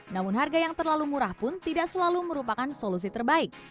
namun harga yang terlalu murah pun tidak selalu merupakan solusi terbaik